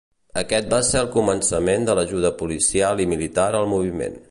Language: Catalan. Aquest va ser el començament de l'ajuda policial i militar al moviment.